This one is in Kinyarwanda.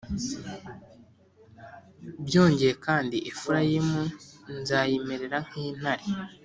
Byongeye kandi, Efurayimu nzayimerera nk’intare,